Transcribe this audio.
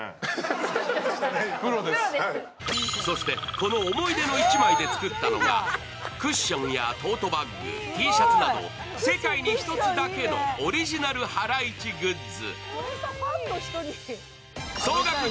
この思い出の１枚で作ったのがクッションやトートバッグ、Ｔシャツなど世界に１つだけのオリジナルハライチグッズ。